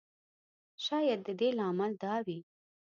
شاید د دې لامل دا وي.